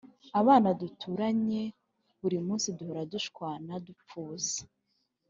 abana duturanye burimunsi duhora dushwana dupfa ubusa